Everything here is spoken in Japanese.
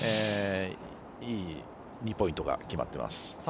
いい２ポイントが決まっています。